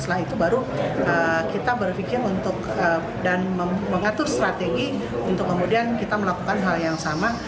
setelah itu baru kita berpikir untuk dan mengatur strategi untuk kemudian kita melakukan hal yang sama